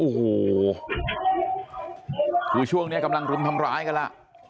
โอ้โหคือช่วงนี้กำลังรุมทำร้ายกันล่ะ